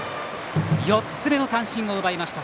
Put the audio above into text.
４つ目の三振を奪いました。